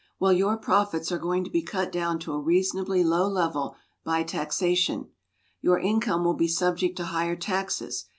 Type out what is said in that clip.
Well, your profits are going to be cut down to a reasonably low level by taxation. Your income will be subject to higher taxes.